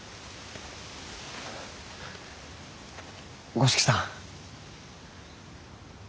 五色さん。